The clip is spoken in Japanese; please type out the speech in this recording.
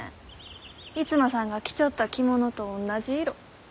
逸馬さんが着ちょった着物と同じ色。